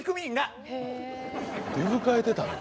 出迎えてたんだ。